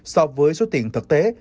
so với số tiền thực tế